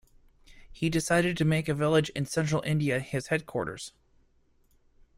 He decided to make a village in Central India his headquarters.